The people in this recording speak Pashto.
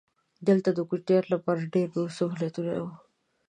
دلته د کوچیانو لپاره ډېر نور سهولتونه وو.